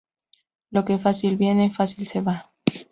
Lo que fácil viene, fácil se va